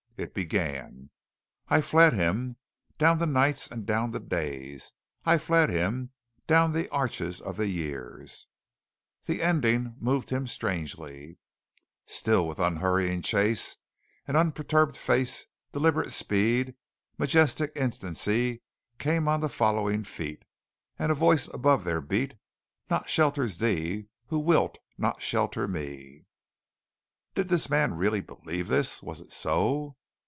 It began: "I fled Him, down the nights and down the days; I fled Him, down the arches of the years ... The ending moved him strangely: Still with unhurrying chase, And unperturbèd face Deliberate speed, majestic instancy Came on the following Feet, And a voice above their beat "Naught shelters thee, who wilt not shelter Me." Did this man really believe this? Was it so?